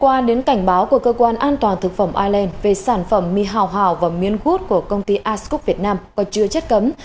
qua đến cảnh báo của cơ quan an toàn thực phẩm ireland về sản phẩm mì hào và miên gút của công ty asok việt nam có chứa chất cấm